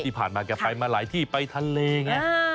ที่ผ่านมาแกไปมาหลายที่ไปทะเลไง